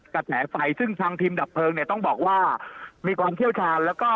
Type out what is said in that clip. กระแสไฟซึ่งทางทีมดับเพลิงเนี่ยต้องบอกว่ามีความเชี่ยวชาญแล้วก็